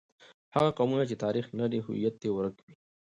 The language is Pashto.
هغه قومونه چې تاریخ نه لري، هویت یې ورک وي.